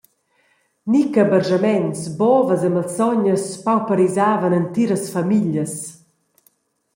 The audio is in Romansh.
Ni che barschaments, bovas e malsognas pauperisavan entiras famiglias.